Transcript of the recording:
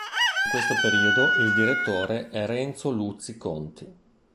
In questo periodo il direttore è Renzo Luzzi Conti.